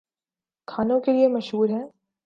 کھانوں کے لیے مشہور ہیں